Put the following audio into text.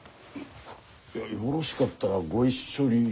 よろしかったらご一緒に。